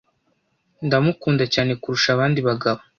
Ndamukunda cyane kurusha abandi bagabo.